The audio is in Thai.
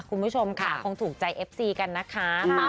คุณผู้ชมค่ะคงถูกใจเอฟซีกันนะคะ